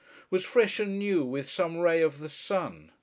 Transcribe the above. was fresh and new with some ray of the sun.